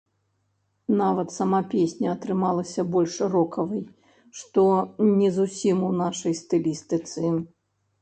Нават сама песня атрымалася больш рокавай, што не зусім у нашай стылістыцы.